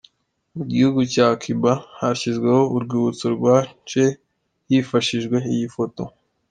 Mu gihugu cya Cuba hashyizweho urwibutso rwa Che hifashishijwe iyi foto.